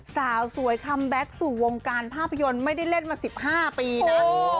สาวสวยคัมแบ็คสู่วงการภาพยนตร์ไม่ได้เล่นมา๑๕ปีนะ